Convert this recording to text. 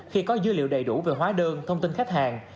khi có dữ liệu đầy đủ về hóa đơn thông tin khách hàng